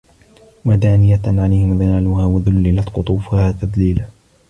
وَدانِيَةً عَلَيهِم ظِلالُها وَذُلِّلَت قُطوفُها تَذليلًا